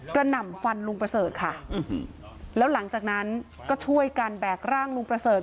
หน่ำฟันลุงประเสริฐค่ะแล้วหลังจากนั้นก็ช่วยกันแบกร่างลุงประเสริฐ